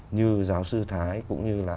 như giáo sư thái cũng như là